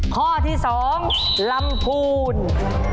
ข้อที่สองลำภูนย์